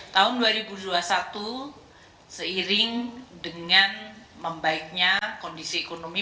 tahun dua ribu dua puluh satu seiring dengan membaiknya kondisi ekonomi